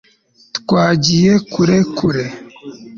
twagiye kure kure